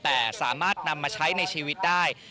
แต่สามารถนำมาใช้ในชีวิตได้